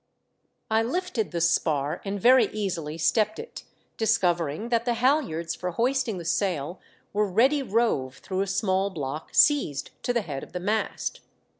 I Hfted the spar and very easily stepped it, discovering that the halHards for hoisting the sail were ready rove through a small block seized to the head of the mast.